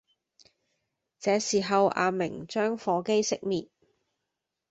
這時候阿明將火機熄滅